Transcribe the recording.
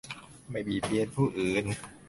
ไม่เบียดเบียนผู้อื่น